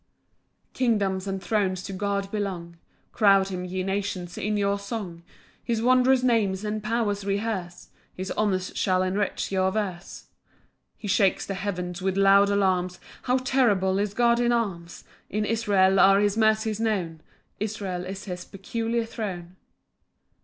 PAUSE. 6 Kingdoms and thrones to God belong; Crown him, ye nations, in your song; His wondrous names and powers rehearse; His honours shall enrich your verse. 7 He shakes the heavens with loud alarms; How terrible is God in arms! In Israel are his mercies known, Israel is his peculiar throne.